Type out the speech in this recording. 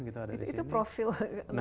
gitu ada disini itu profil nah